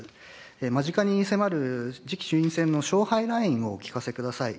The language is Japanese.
間近に迫る次期衆院選の勝敗ラインをお聞かせください。